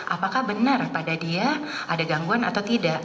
apakah benar pada dia ada gangguan atau tidak